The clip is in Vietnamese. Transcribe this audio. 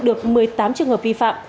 được một mươi tám trường hợp vi phạm